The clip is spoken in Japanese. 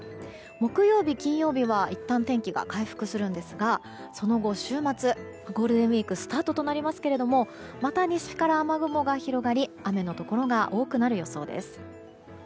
木曜日、金曜日はいったん天気が回復するんですがその後、週末にはゴールデンウィークがスタートとなりますがまた西から雨雲が広がり雨のところが多くなる予想です。